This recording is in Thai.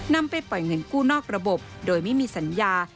นำไปปล่อยเงินกู้นอกระบบโดยไม่มีสัญญา